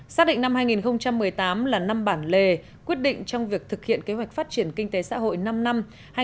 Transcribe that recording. xác định năm hai nghìn một mươi tám là năm bản lề quyết định trong việc thực hiện kế hoạch phát triển kinh tế xã hội năm năm hai nghìn một mươi một hai nghìn hai mươi